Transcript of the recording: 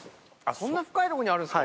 そんな深いとこにあるんすか。